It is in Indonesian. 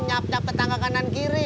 nyap nyap tetangga kanan kiri